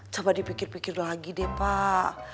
coba dipikir pikir lagi deh pak